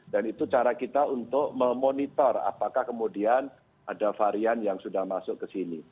dan itu cara kita untuk memonitor apakah kemudian ada varian yang sudah masuk ke sini